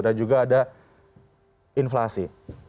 dan juga ada inflasi